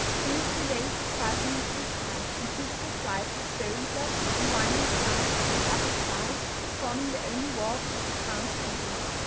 The Mithridates is 500 feet high, and beautiful flights of stone steps and winding paths lead up its sides, forming the only walks of the towns' people.